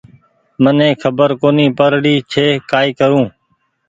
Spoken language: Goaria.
مني کبر ڪونيٚ پڙ ري ڇي ڪآئي ڪرون